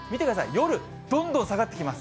夜、どんどん下がってきます。